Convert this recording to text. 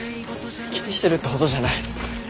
気にしてるってほどじゃない。